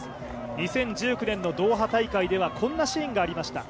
２０１９年のドーハ大会ではこんなシーンがありました。